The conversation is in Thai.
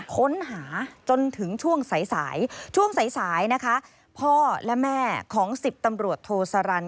ค้นหาจนถึงช่วงสายช่วงสายพ่อและแม่ของ๑๐ตำรวจโทสรรันดิ์